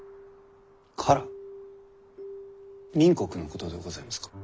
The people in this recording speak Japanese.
明国のことでございますか？